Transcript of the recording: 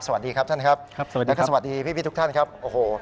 สวัสดีครับท่านครับและก็สวัสดีพี่ทุกท่านครับโอ้โห